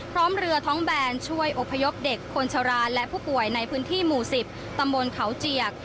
พร้อมเรือท้องแบนช่วยอพยพเด็กคนชะลาและผู้ป่วยในพื้นที่หมู่๑๐ตำบลเขาเจียก